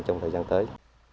trong thời gian tới